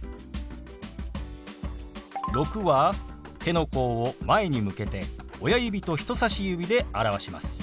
「６」は手の甲を前に向けて親指と人さし指で表します。